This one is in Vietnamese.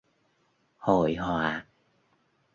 Hội họa